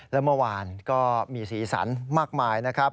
และเมื่อวานก็มีสีสันมากมายนะครับ